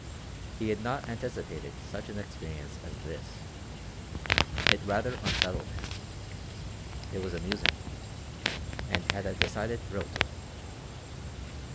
He had not anticipated such an experience as this. It rather unsettled him. It was amusing and had a decided thrill to it.